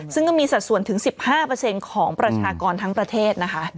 ซึ่งก็มีสัดส่วนถึง๑๕ของประชากรทั้งประเทศนะคะ